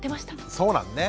そうなんだね。